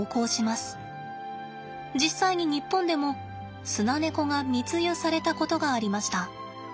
実際に日本でもスナネコが密輸されたことがありました。